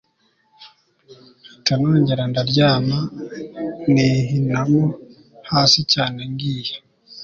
mpita nongera ndaryama nihinamo hasi cyane ngiye